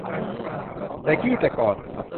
แต่กี้แต่ก่อน